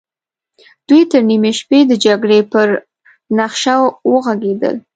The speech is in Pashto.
دوی تر نيمې شپې د جګړې پر نخشه وغږېدل.